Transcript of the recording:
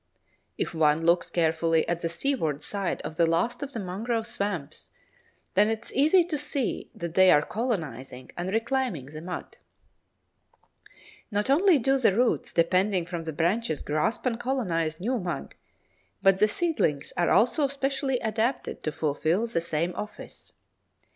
If one looks carefully at the seaward side of the last of the mangrove swamps, then it is easy to see that they are colonizing and reclaiming the mud. Not only do the roots depending from the branches grasp and colonize new mud, but the seedlings are also specially adapted to fulfil the same office.